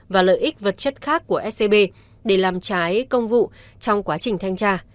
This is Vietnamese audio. và lợi ích vật chất khác của scb để làm trái công vụ trong quá trình thanh tra